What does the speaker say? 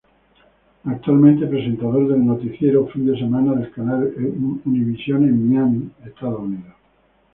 Actualmente presentador del Noticiero Fin de Semana del Canal Univisión en Miami, Estados Unidos.